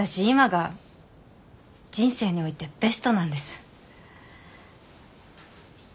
今が人生においてベストなんです。